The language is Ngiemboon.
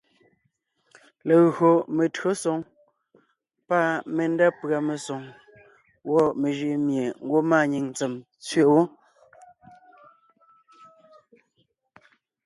Legÿo metÿǒsoŋ pâ mendá pʉ̀a mesoŋ gwɔ̂ mejʉʼ mie ngwɔ́ maanyìŋ ntsèm tsẅe wó;